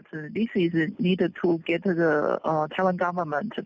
แต่เกี่ยวกับมีการร่วมต้นทางขอยื้อไทยด้วย